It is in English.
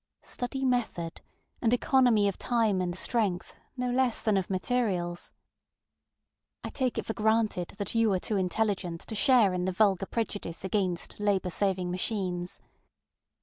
Study method, and economy of time and strength, no less than of materials. I take it for granted that you are too intelligent to share in the vulgar prejudice against labor saving machines.